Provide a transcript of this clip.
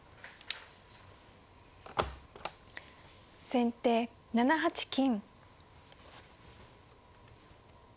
先手７八金。